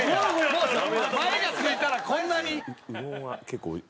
「前」がついたらこんなに。